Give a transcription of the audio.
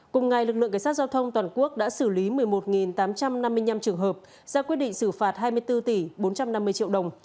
cùng ngày lực lượng cảnh sát giao thông toàn quốc đã xử lý một mươi một tám trăm năm mươi năm trường hợp ra quyết định xử phạt hai mươi bốn tỷ bốn trăm năm mươi triệu đồng